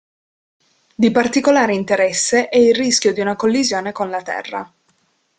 Di particolare interesse è il rischio di una collisione con la Terra.